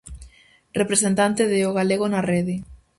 Representante de "O galego na rede".